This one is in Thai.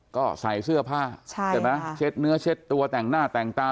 ก็ใส่เสื้อผ้าใช่ไหมเช็ดเนื้อเช็ดตัวแต่งหน้าแต่งตา